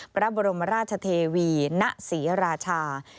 พระบรมราชเทวีณศรีราชา